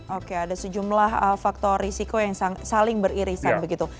oke ada sejumlah faktor risiko yang saling beririsan begitu